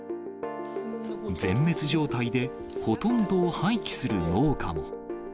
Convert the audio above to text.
全滅状態で、ほとんどを廃棄する農家も。